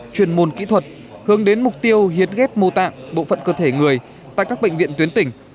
chuyên môn kỹ thuật hướng đến mục tiêu hiến ghép mô tạng bộ phận cơ thể người tại các bệnh viện tuyến tỉnh